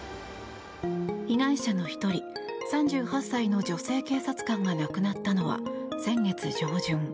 被害者の１人、３８歳の女性警察官が亡くなったのは先月上旬。